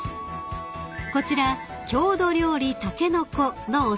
［こちら郷土料理たけのこのお薦めは］